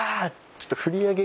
ちょっと振り上げ。